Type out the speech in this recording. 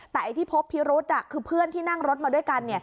แต่ไอ้ที่พบพิรุษคือเพื่อนที่นั่งรถมาด้วยกัน